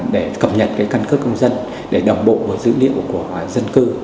để cập nhật cái căn cước công dân để đồng bộ với dữ liệu của dân cư